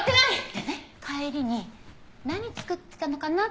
でね帰りに何造ってたのかなって見たのよ。